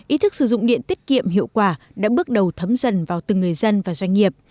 ý thức sử dụng điện tiết kiệm hiệu quả đã bước đầu thấm dần vào từng người dân và doanh nghiệp